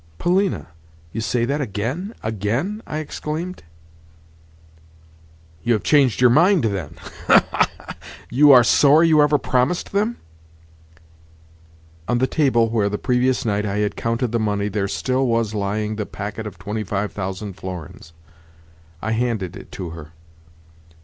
"Polina, you say that again, again?" I exclaimed. "You have changed your mind, then? Ha, ha, ha! You are sorry you ever promised them?" On the table where, the previous night, I had counted the money there still was lying the packet of twenty five thousand florins. I handed it to her.